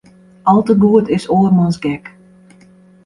Al te goed is oarmans gek.